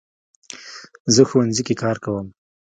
زه ښوونځي کې کار کوم